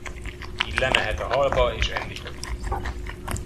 Így lemehet a hallba, és enni fog!